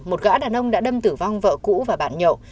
một gã đàn ông đã đâm tử vong vợ cũ và bạn nhậu